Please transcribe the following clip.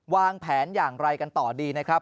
วางแผนอย่างไรกันต่อดีนะครับ